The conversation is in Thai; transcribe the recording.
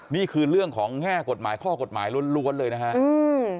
นี่คือเรื่องของแง่กฎหมายข้อกฎหมายล้วนล้วนเลยนะครับ